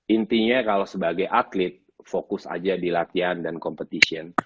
intinya kalau sebagai atlet fokus aja di latihan dan competition